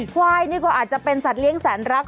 ควายนี่ก็อาจจะเป็นสัตว์เลี้ยงแสนรัก